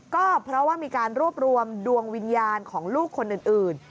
ก็เพราะว่ามีการรวบรวมดวงวิญญาณของลูกคนอื่น